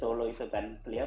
lain lagi dengan nu garis satu